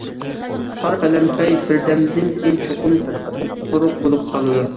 تار پەلەمپەي بىردەمدىن كېيىن چوقۇم قۇپقۇرۇق بولۇپ قالىدۇ.